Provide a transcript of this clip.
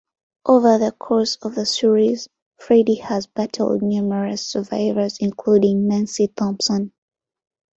Over the course of the series, Freddy has battled numerous survivors including Nancy Thompson.